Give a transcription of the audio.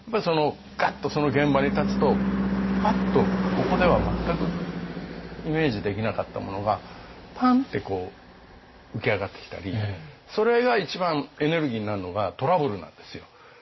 ガッとその現場に立つとパッとここでは全くイメージできなかったものがパンッて浮き上がってきたりそれが一番エネルギーになるのがトラブルなんですよ。